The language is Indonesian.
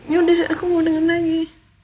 ya udah sih aku mau denger lagi